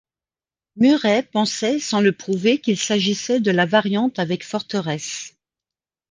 Murray pensait sans le prouver qu'il s'agissait de la variante avec forteresses.